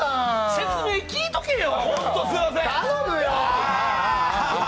説明聞いとけよ！